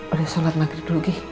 udah sholat maghrib dulu gi